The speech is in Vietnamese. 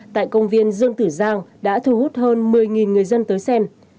tại công viên dương tử giang đã thu hút hơn một mươi người dân tới xem